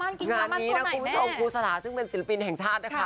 มั่นน่ะงานนี้นะครูสลาซึ่งเป็นสิรฟินแห่งชาตินะค่ะ